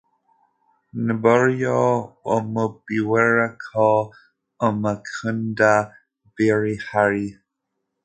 n’uburyo umubwira ko umukunda birihariye